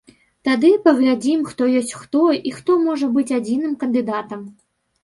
Тады і паглядзім, хто ёсць хто і хто можа быць адзіным кандыдатам.